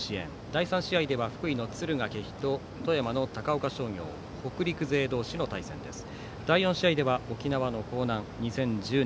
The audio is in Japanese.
第３試合では敦賀気比と富山の高岡商業北陸勢同士の対戦です。